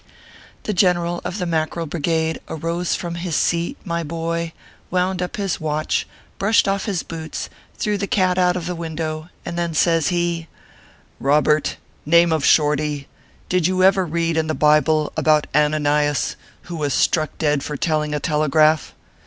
205 The General of the Mackerel Brigade arose from his seat, my boy, wound up his watch, brushed off his boots, threw the cat out of the window, and then says he :" Robert, name of Shorty, did you ever read in the Bible about Ananias, who was struck dead for telling a telegraph